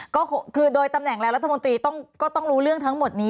ก็คือโดยตำแหน่งและรัฐมนตรีก็ต้องรู้เรื่องทั้งหมดนี้